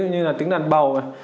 ví dụ như là tính đàn bầu